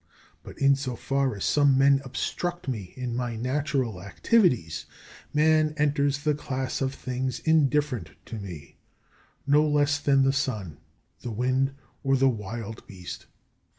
But in so far as some men obstruct me in my natural activities, man enters the class of things indifferent to me, no less than the sun, the wind, or the wild beast.